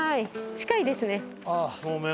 近いですね。